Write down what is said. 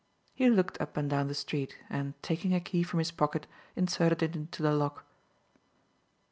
He looked up and down the street, and, taking a key from his pocket, inserted it into the lock.